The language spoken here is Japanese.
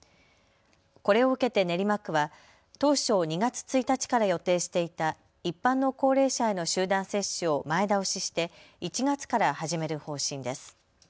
これを受けて練馬区は当初２月１日から予定していた一般の高齢者への集団接種を前倒しして１月から始める方針です。